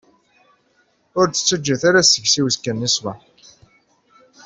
Ur d- ttaǧǧat ara seg-s i uzekka-nni ṣṣbeḥ.